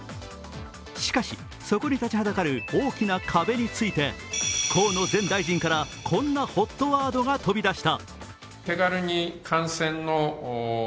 しかし、そこに立ちはだかる大きな壁について河野前大臣からこんなＨＯＴワードが飛び出した。